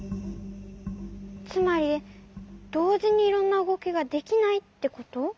つまりどうじにいろんなうごきができないってこと？